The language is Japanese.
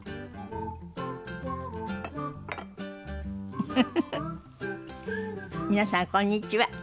フフフフ皆さんこんにちは。